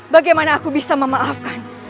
bagaimana aku bisa memaafkan